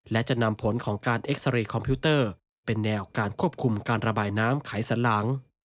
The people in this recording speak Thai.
และจะนำผลของการเอ็กซาเรย์คอมพิวเตอร์เป็นแนวการควบคุมการระบายน้ำไขสันหลัง